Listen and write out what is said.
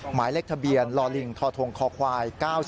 หมายเลขทะเบียนลอลิงททงคควาย๙๔